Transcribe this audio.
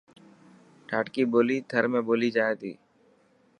ڌاٽڪي ٻولي ٿر۾ ٻولي جائي ٿي.